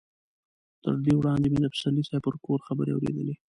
تر دې وړاندې مې د پسرلي صاحب پر کور خبرې اورېدلې.